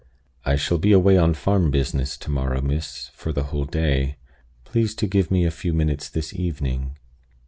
"I shall be away on farm business to morrow, miss, for the whole day. Please to give me a few minutes this evening."